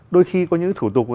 đôi khi có những thủ tục